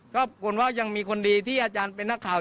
ก็คุณว่ายังมีคนดีที่อาจารย์เป็นนักข่าว